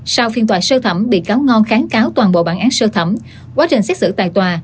sau phiên tòa sơ thẩm bị cáo ngon kháng cáo toàn bộ bản án sơ thẩm quá trình xét xử tại tòa